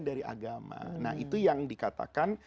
dari agama nah itu yang dikatakan